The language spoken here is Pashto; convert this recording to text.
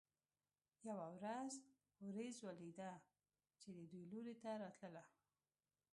یوه ورځ ورېځ ولیده چې د دوی لوري ته راتله.